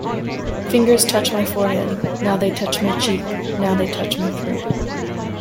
Fingers touch my forehead — now they touch my cheek — now they touch my throat!